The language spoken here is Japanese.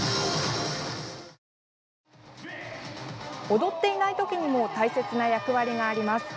踊っていない時にも大切な役割があります。